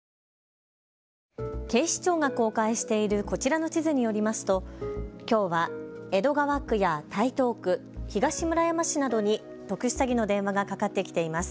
警視庁が公開しているこちらの地図によりますときょうは江戸川区や台東区、東村山市などに特殊詐欺の電話がかかってきています。